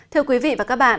thưa quý vị và các bạn